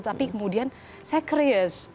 tapi kemudian saya curious